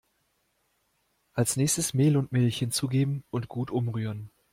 Als nächstes Mehl und Milch hinzugeben und gut umrühren.